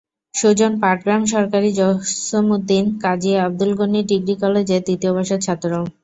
সুজন পাটগ্রাম সরকারি জসমুদ্দিন কাজী আবদুল গণি ডিগ্রি কলেজের দ্বিতীয় বর্ষের ছাত্র।